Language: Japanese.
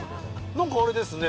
何かアレですね。